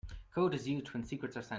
Code is used when secrets are sent.